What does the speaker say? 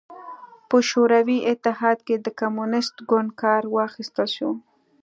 په شوروي اتحاد کې د کمونېست ګوند کار واخیستل شو.